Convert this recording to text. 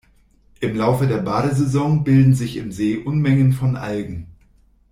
Im Laufe der Badesaison bilden sich im See Unmengen von Algen.